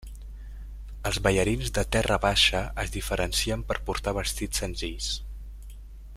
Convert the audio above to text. Els ballarins de Terra Baixa es diferencien per portar vestits senzills.